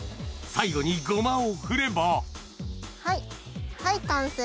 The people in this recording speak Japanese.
最後にゴマを振ればはい完成。